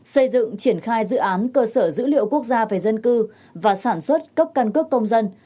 xây dựng triển khai dự án cơ sở dữ liệu quốc gia về dân cư và sản xuất cấp căn cước công dân